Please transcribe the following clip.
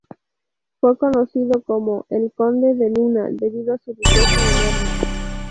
Fue conocido como "El Conde de Lana", debido a su riqueza enorme.